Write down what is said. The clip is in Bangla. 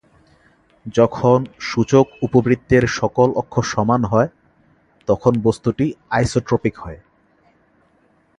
যখন সূচক উপবৃত্তের সকল অক্ষ সমান হয়, তখন বস্তুটি আইসোট্রপিক হয়।